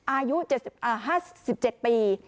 อายุ๕๗ปี